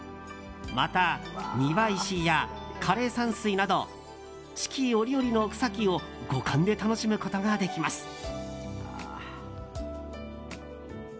また、庭石や枯山水など四季折々の草木を五感で楽しむことができます。